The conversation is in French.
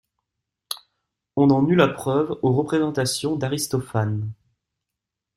On en eut la preuve aux représentations d'Aristophane.